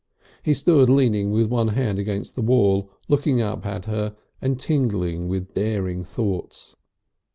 He stood leaning with one hand against the wall, looking up at her and tingling with daring thoughts.